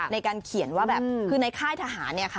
ในการเขียนว่าแบบคือในค่ายทหารเนี่ยค่ะ